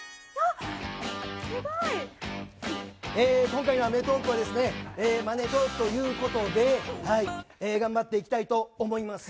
今回の「アメトーーク！」はマネトークということで頑張っていきたいと思います。